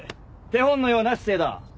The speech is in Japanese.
手本のような姿勢だ。